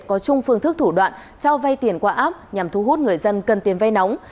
có chung phương thức thủ đoạn cho vay tiền qua app nhằm thu hút người dân cần tiền vay nóng